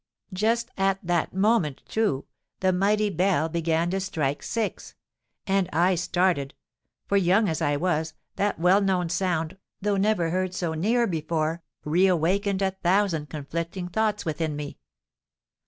Just at that moment, too, the mighty bell began to strike six; and I started—for, young as I was, that well known sound, though never heard so near before, re awakened a thousand conflicting thoughts within me.